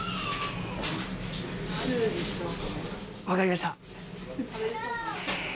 わかりました。